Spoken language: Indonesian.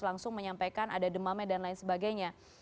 langsung menyampaikan ada demamnya dan lain sebagainya